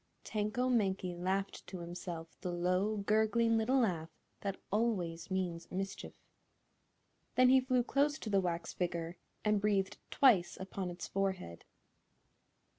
Tanko Mankie laughed to himself the low, gurgling little laugh that always means mischief. Then he flew close to the wax figure and breathed twice upon its forehead.